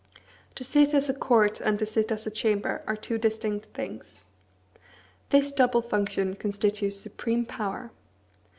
To sit as a court and to sit as a chamber are two distinct things. This double function constitutes supreme power.